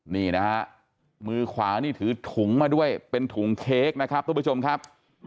นี่นะฮะมือขวานี่ถือถุงมาด้วยเป็นถุงเค้กนะครับทุกผู้ชมครับ